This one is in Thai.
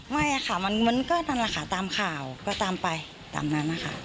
ไม่ค่ะมันก็นั่นแหละค่ะตามข่าวก็ตามไปตามนั้นนะคะ